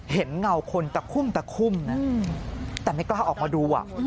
เห็นเงาคนตะคุ่มแต่ไม่กล้าออกมาดู